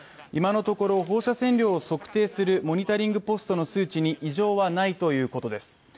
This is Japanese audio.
今のところ放射線量を測定するモニタリングポストの数値に異常はないということです。